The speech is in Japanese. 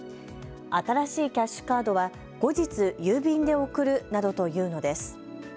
新しいキャッシュカードは後日、郵便で送るなどと言うのです。